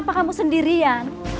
kita harus lebih baik baik berdua